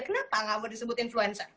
kenapa gak disebut influencer